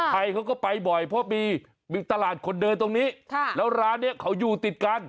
ใครเขาก็ไปบ่อยเพราะมีตลาดคนเดินตรงนี้แล้วร้านนี้เขาอยู่ติดกัน